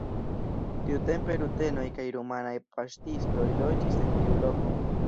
Tiutempe rutenoj kaj rumanaj paŝtistoj loĝis en tiu loko.